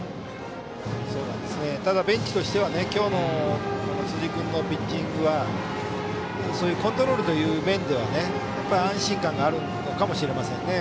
ただベンチとしては今日の辻君のピッチングはコントロールという面では安心感があるのかもしれませんね。